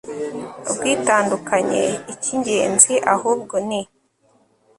ubwitandukanye, icy'ingenzi ahubwo ni